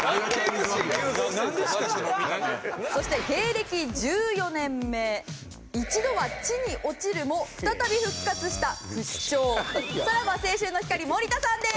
そして芸歴１４年目一度は地に落ちるも再び復活した不死鳥さらば青春の光森田さんです！